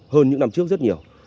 hơn những năm trước rất nhiều